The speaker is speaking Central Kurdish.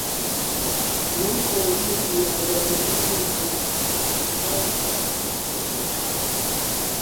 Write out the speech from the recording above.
من قۆرییەکی ئەلمۆنیۆم و چای عێراقیم پێ بوو